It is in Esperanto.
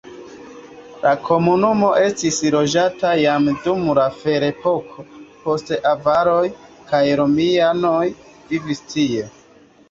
La komunumo estis loĝata jam dum la ferepoko, poste avaroj kaj romianoj vivis tie.